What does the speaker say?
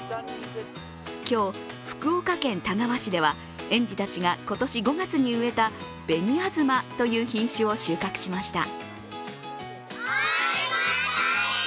今日、福岡県田川市では園児たちが、今年５月に植えた、紅あずまという品種を収穫しました。